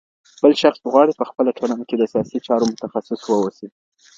بل شخص غواړي پخپله ټولنه کي د سياسي چارو متخصص واوسي